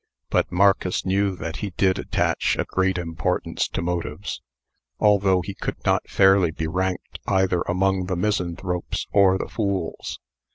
But Marcus knew that he did attach a great importance to motives; although he could not fairly be ranked either among the misanthropes or the fools.